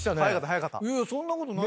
そんなことない。